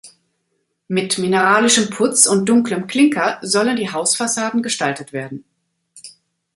Mit mineralischem Putz und dunklem Klinker sollen die Hausfassaden gestaltet werden.